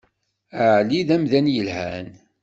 Ɛli d amdan yelhan.